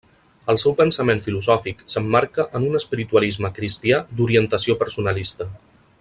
El seu pensament filosòfic s'emmarca en un espiritualisme cristià d'orientació personalista.